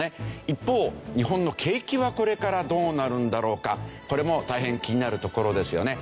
一方日本の景気はこれからどうなるんだろうかこれも大変気になるところですよね。